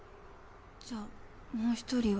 じゃあもう一人は？